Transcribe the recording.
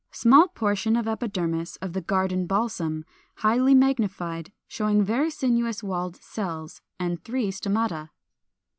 Small portion of epidermis of the Garden Balsam, highly magnified, showing very sinuous walled cells, and three stomata.